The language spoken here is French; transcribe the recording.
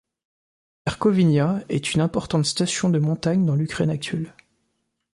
Verkhovyna est une importante station de montagne dans l'Ukraine actuelle.